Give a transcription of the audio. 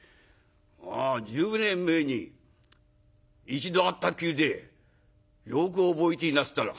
まあ１０年前に一度会ったっきりでよく覚えていなすったな」。